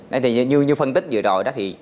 như phân tích vừa rồi đó thì